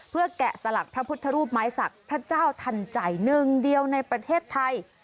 เพื่อแกะสลักพระพุทธรูปไม้สักพระเจ้าทันใจหนึ่งเดียวในประเทศไทย